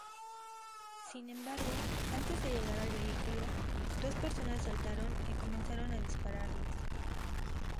Sin embargo, antes de llegar al vehículo, dos personas saltaron y comenzaron a dispararles.